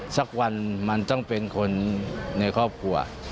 สักวันมันต้องเป็นคนในครอบครัว